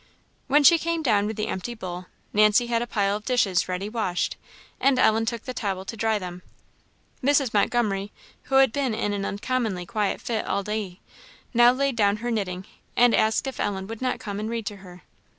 When she came down with the empty bowl, Nancy had a pile of dishes ready washed, and Ellen took the towel to dry them. Mrs. Montgomery, who had been in an uncommonly quiet fit all day, now laid down her knitting, and asked if Ellen would not come and read to her.